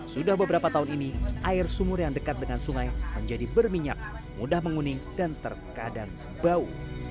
sudah beberapa tahun ini air sumur yang dekat dengan sungai menjadi berminyak mudah menguning dan terkadang bau